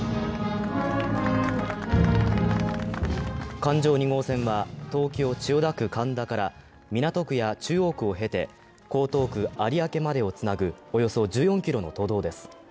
環状２号線は、東京・千代田区神田から港区や中央区を経て、江東区有明までをつなぐおよそ１４ｋｍの都道です。